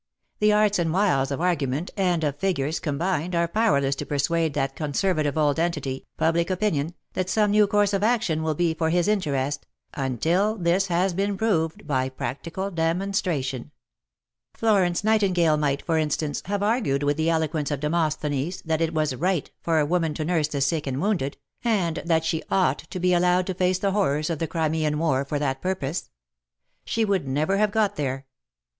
The arts and wiles of argument and of figures combined are powerless to per suade that conservative old entity " Public Opinion " that some new course of action will be for his interest, until this has been proved by ''practical demonstration ^ Florence Nightingale might, for instance, have argued with the eloquence of Demosthenes that it was right for a woman to nurse the sick and wounded, and that she ought to be allowed to face the horrors of the Crimean War for that purpose. She would never have got there.